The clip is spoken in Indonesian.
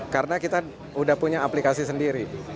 karena kita udah punya aplikasi sendiri